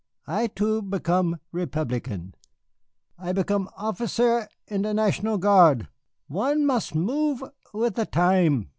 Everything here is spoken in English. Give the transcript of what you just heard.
"I, too, become Republican. I become officier in the National Guard, one must move with the time.